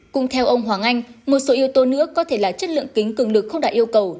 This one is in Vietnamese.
cùng theo ông hoàng anh một số yếu tố nữa có thể là chất lượng kính cường lực không đạt yêu cầu